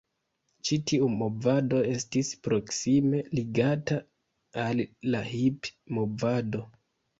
Ĉi tiu movado estis proksime ligata al la Hipi-movado.